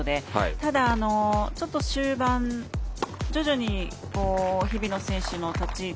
ただ、ちょっと終盤徐々に日比野選手の立ち位置